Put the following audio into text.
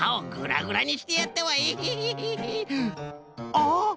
あっ！